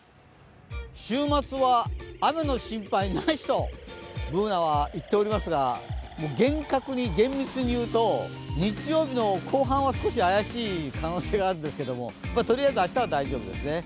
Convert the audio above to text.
週末は雨の心配なしと、Ｂｏｏｎａは言っておりますが、もう厳格に厳密にいうと日曜日の後半は怪しい可能性はありますがとりあえず明日は大丈夫ですね。